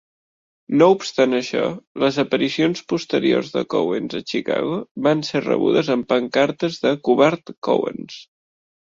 No obstant això, les aparicions posteriors de Cowens a Chicago van ser rebudes amb pancartes de "Covard Cowens".